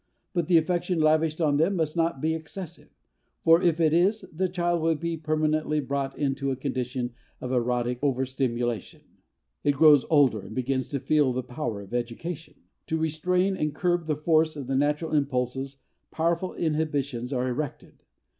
But the affection lavished on them must not be excessive. For if it is the child will be prematurely brought into a condition of erotic overstimulation. It grows older and begins to feel the power of education. To restrain and curb the force of the natural impulses powerful inhibitions are erected.